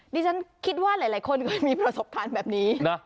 ดิฉันคิดว่าหลายคนก็มีประสบความแบบนี้